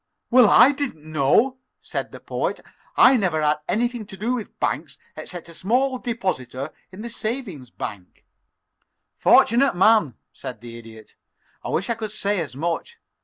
"Well, I didn't know," said the Poet. "I never had anything to do with banks except as a small depositor in the savings bank." "Fortunate man," said the Idiot. "I wish I could say as much.